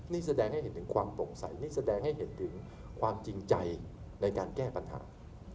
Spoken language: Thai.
นี่แสดงให้เห็นถึงความโปร่งใสนี่แสดงให้เห็นถึงความจริงใจในการแก้ปัญหา